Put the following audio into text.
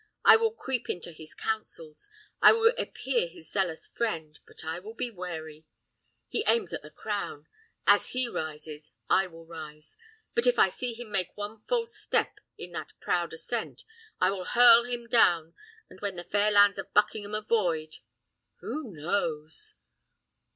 I will creep into his counsels; I will appear his zealous friend, but I will be wary. He aims at the crown: as he rises I will rise; but if I see him make one false step in that proud ascent, I will hurl him down, and when the fair lands of Buckingham are void who knows?